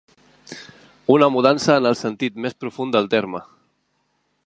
Una mudança en el sentit més profund del terme.